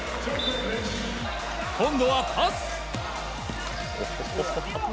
今度はパス。